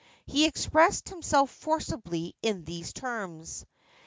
He expressed himself forcibly in these terms.